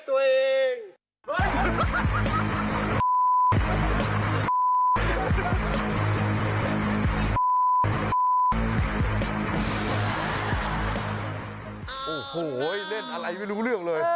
โอ้โหเล่นอะไรไม่รู้เรื่องเลย